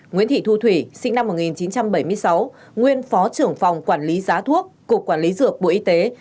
nguyễn thị thu thủy sinh năm một nghìn chín trăm bảy mươi sáu nguyên phó trưởng phòng quản lý giá thuốc cục quản lý dược bộ y tế